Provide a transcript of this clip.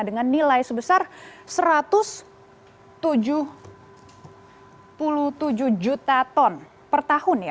dengan nilai sebesar satu ratus tujuh puluh tujuh juta ton per tahun ya